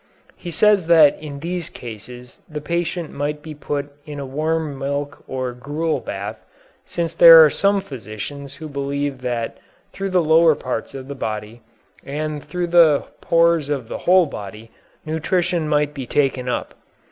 He says that in these cases the patient might be put in a warm milk or gruel bath, since there are some physicians who believe that through the lower parts of the body, and also through the pores of the whole body, nutrition might be taken up.